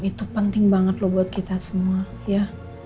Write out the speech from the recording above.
itu penting banget loh buat kita semua ya